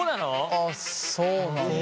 あっそうなんだ。